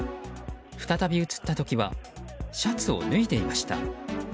再び映った時はシャツを脱いでいました。